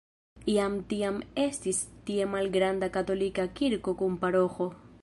Jam tiam estis tie malgranda katolika kirko kun paroĥo.